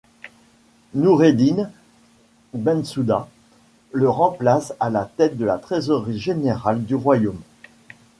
Noureddine Bensouda le remplace à la tête de la Trésorerie Générale du Royaume.